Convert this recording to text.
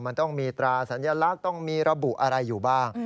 มันต้องมีตราสัญลักษณ์ต้องมีระบุอะไรอยู่บ้าง